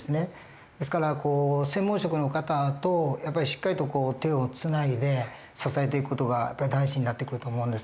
ですから専門職の方とやっぱりしっかりと手をつないで支えていく事が大事になってくると思うんです。